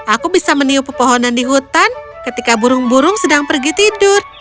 aku bisa meniu pepohonan di hutan ketika burung burung sedang pergi tidur